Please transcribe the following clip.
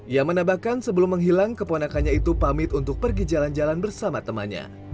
ia menambahkan sebelum menghilang keponakannya itu pamit untuk pergi jalan jalan bersama temannya